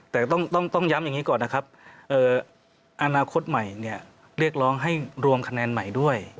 แต่ต้องย้ำอย่างนี้ก่อนนะครับอนาคตใหม่เรียกร้องให้รวมคะแนนใหม่ด้วย